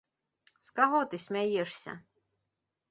З каго ты смяешся?